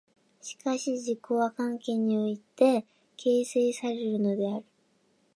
しかし自己は環境において形成されるのである。